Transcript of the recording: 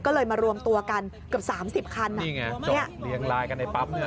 ก็เลยมารวมตัวกันเกือบ๓๐คันนี่ไงจบเลี้ยงลายกันในปั๊บ